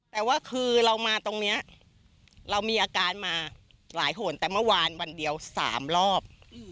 แต่ว่าคือเรามาตรงนี้เรามีอาการมาหลายหนแต่เมื่อวานวันเดียว๓รอบ